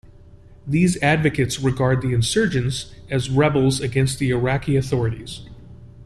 These advocates regard the insurgents as rebels against the Iraqi authorities.